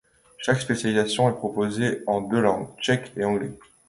Chaque spécialisation est proposée en deux langues, tchèque et anglais.